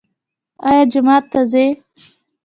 ایا جومات ته ځئ؟